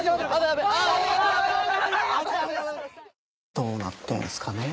どうなってんすかねぇ